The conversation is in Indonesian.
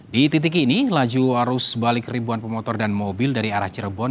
di titik ini laju arus balik ribuan pemotor dan mobil dari arah cirebon